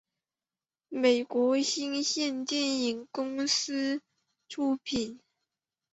美国新线电影公司出品。